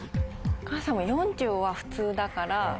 お母さんも「４０」は普通だから。